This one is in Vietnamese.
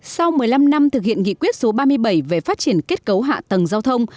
sau một mươi năm năm thực hiện nghị quyết số ba mươi bảy về phát triển kết cấu hạ tầng giao thông